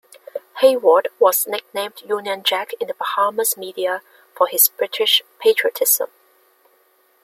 Hayward was nicknamed "Union Jack" in the Bahamas media for his British patriotism.